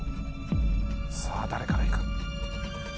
さあ誰からいく？